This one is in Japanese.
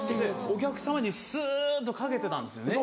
お客様にすっとかけてたんですよね。